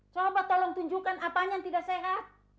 coba tolong tunjukkan apanya yang tidak sehat